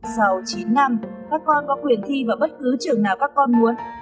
sau chín năm các con có quyền thi vào bất cứ trường nào các con muốn